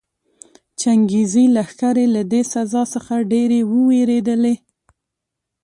چنګېزي لښکرې له دې سزا څخه ډېرې ووېرېدلې.